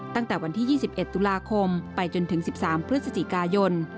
ตั้งแต่วันที่๒๑ตุลาคมไปจนถึง๑๓พฤศจิกายน